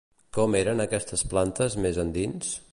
Com eren aquestes plantes més endins?